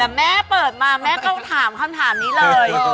แต่แม่เปิดมาแม่ก็ถามคำถามนี้เลย